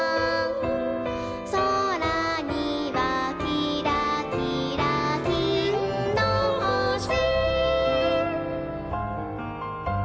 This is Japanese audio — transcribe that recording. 「そらにはきらきらきんのほし」